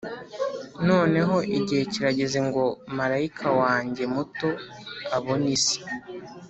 noneho igihe kirageze ngo marayika wanjye muto abone isi.